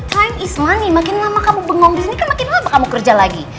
time is money makin lama kamu bengong di sini kan makin lama kamu kerja lagi